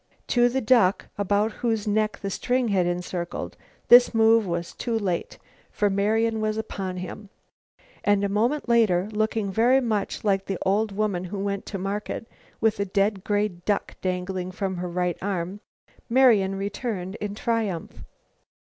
To the duck about whose neck the string had encircled, this move was too late, for Marian was upon him. And a moment later, looking very much like the old woman who went to market, with a dead gray duck dangling from her right arm, Marian returned in triumph.